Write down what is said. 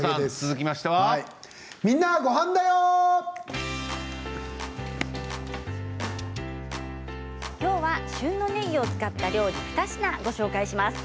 きょうは旬のねぎを使った料理２品ご紹介します。